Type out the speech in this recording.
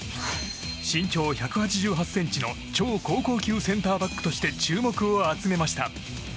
身長１８８ｃｍの超高校級センターバックとして注目を集めました。